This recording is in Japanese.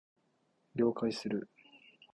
了解する